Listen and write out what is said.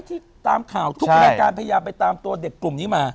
ที่ตามข่าวทุกรายการพยายามไปตามตัวเด็กกลุ่มนี้มา